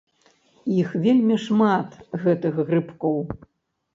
Іх вельмі шмат, гэтых грыбкоў.